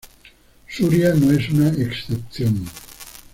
Suria no es una excepción.